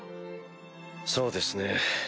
そうですね。